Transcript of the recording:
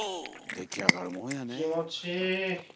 出来上がるもんやねえ。